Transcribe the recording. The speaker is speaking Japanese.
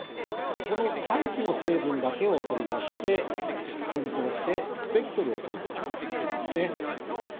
この大気の成分だけを取り出して分光してスペクトルをとることができるんですね。